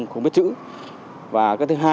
không biết chữ và cái thứ hai